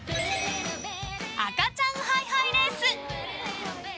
赤ちゃんハイハイレース！